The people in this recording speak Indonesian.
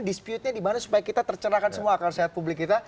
disputenya dimana supaya kita tercerahkan semua akal sehat publik kita